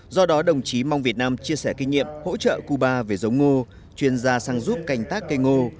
do đó đồng chí mong việt nam chia sẻ kinh nghiệm hỗ trợ cuba về giống ngô chuyên gia sang giúp canh tác cây ngô